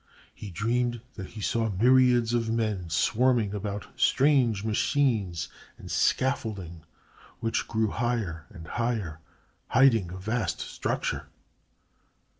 He dreamed that he saw myriads of men swarming about strange machines and scaffolding which grew higher and higher, hiding a vast structure.